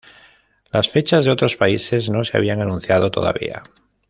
Las fechas de otros países no se habían anunciado todavía.